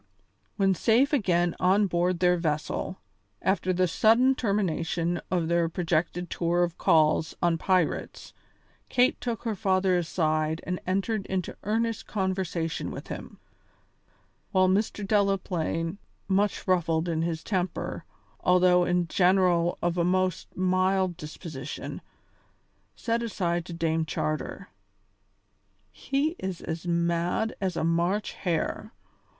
When safe again on board their vessel, after the sudden termination of their projected tour of calls on pirates, Kate took her father aside and entered into earnest conversation with him, while Mr. Delaplaine, much ruffled in his temper, although in general of a most mild disposition, said aside to Dame Charter: "He is as mad as a March hare.